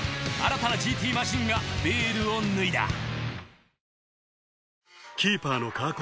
新たなＧＴマシンがベールを脱いだ